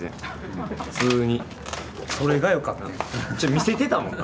見せてたもんな。